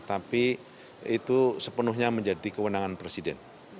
tapi itu sepenuhnya menjadi kewenangan presiden